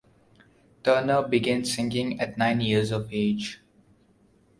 Turner began singing at nine years of age.